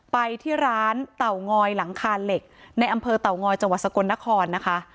ไปที่ร้านเต่างอยหลังคาเหล็กในอำเภอเต่างอยจังหวัดสกลนครนะคะ